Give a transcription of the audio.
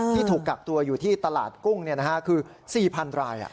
ที่ถูกกักตัวอยู่ที่ตลาดกุ้งคือ๔๐๐๐ราย